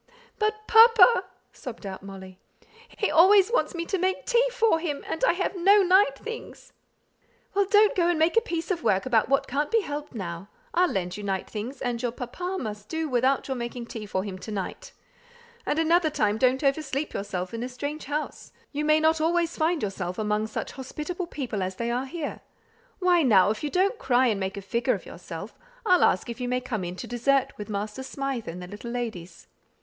"But papa!" sobbed out Molly. "He always wants me to make tea for him; and I have no night things." "Well, don't go and make a piece of work about what can't be helped now. I'll lend you night things, and your papa must do without your making tea for him to night. And another time don't over sleep yourself in a strange house; you may not always find yourself among such hospitable people as they are here. Why now, if you don't cry and make a figure of yourself, I'll ask if you may come in to dessert with Master Smythe and the little ladies.